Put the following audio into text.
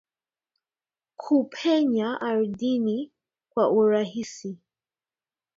kupenya ardhini kwa urahisi.